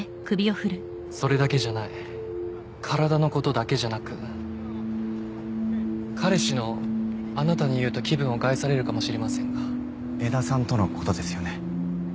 それだけじゃない体のことだけじゃなく彼氏のあなたに言うと気分を害されるかもしれませんが江田さんとのことですよね？